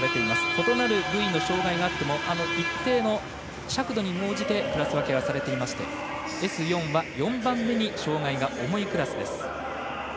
異なる部位の障がいがあっても一定の尺度に応じてクラス分けがされていましてＳ４は４番目に障がいが重いクラスです。